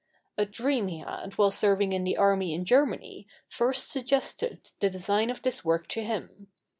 A dream he had while serving in the army in Germany first suggested the design of this work to him.